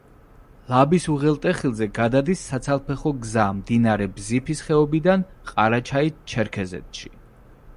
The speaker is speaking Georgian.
ლაბის უღელტეხილზე გადადის საცალფეხო გზა მდინარე ბზიფის ხეობიდან ყარაჩაი-ჩერქეზეთში.